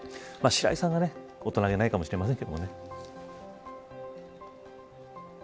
白井さんが、大人げないかもしれませんけどね。